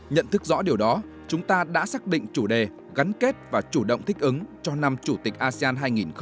nhận thức rõ điều đó chúng ta đã xác định chủ đề gắn kết và chủ động thích ứng cho năm chủ tịch asean hai nghìn hai mươi